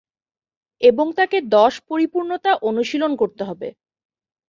এবং তাকে দশ পরিপূর্ণতা অনুশীলন করতে হবে।